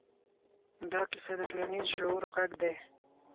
دا کیسه د ټولنیز شعور غږ دی.